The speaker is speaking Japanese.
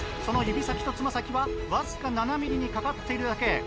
その指先と爪先はわずか７ｍｍにかかっているだけ。